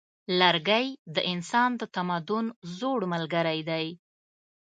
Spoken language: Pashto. لرګی د انسان د تمدن زوړ ملګری دی.